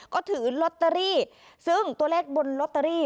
ก็ถือลอตเตอรี่ซึ่งตัวเลขบนลอตเตอรี่